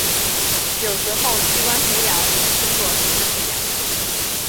有时候器官培养也称作组织培养。